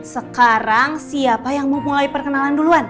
sekarang siapa yang mau mulai perkenalan duluan